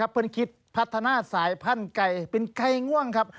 เพื่อนคิดพัฒนาสายพันธุ์ไก่เป็นไก่ง่วงครับ